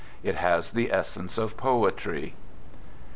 It has the essence of poetry.